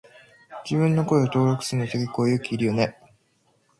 自分の声を登録するのって結構勇気いるよね。